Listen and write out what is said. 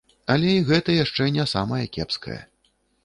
Але і гэта яшчэ не самае кепскае.